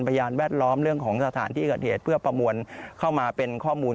พยานแวดล้อมเรื่องของสถานที่เกิดเหตุเพื่อประมวลเข้ามาเป็นข้อมูล